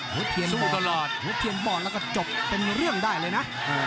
โหเทียนบอร์ดโหเทียนบอร์ดแล้วก็จบเป็นเรื่องได้เลยนะ